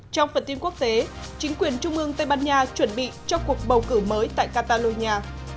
trong phần tin quốc tế chính quyền trung ương tây ban nha chuẩn bị cho cuộc bầu cử mới tại catalonia